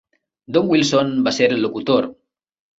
Don Wilson va ser el locutor.